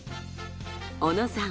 小野さん